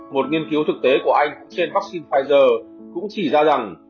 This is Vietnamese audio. một nghiên cứu thực tế của anh trên vaccine pfizer cũng chỉ ra rằng